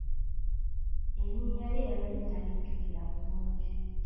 Erinnya lye yabadde talijjukira bulungi.